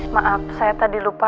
maaf saya tadi lupa